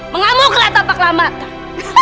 mengamuklah tapa kelamatan